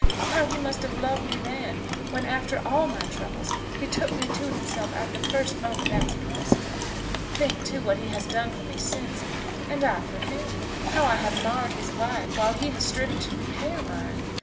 How he must have loved me then, when, after all my troubles, he took me to himself at the first moment that was possible! Think, too, what he has done for me since, and I for him! How I have marred his life, while he has striven to repair mine!